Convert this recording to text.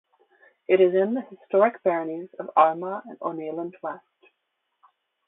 It is in the historic baronies of Armagh and Oneilland West.